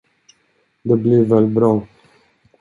Det blir väl bra?